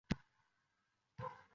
U xalqlar qotili